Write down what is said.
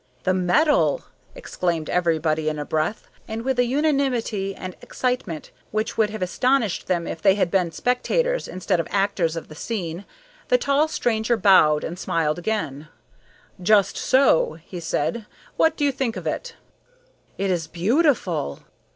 "The metal!" exclaimed everybody in a breath, and with a unanimity and excitement which would have astonished them if they had been spectators instead of actors of the scene. The tall stranger bowed and smiled again: "Just so," he said. "What do you think of it?" "It is beautiful!"